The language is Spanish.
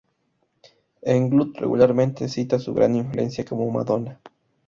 Englund regularmente cita su gran influencia como Madonna.